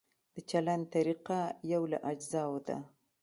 د چلند طریقه یو له اجزاوو ده.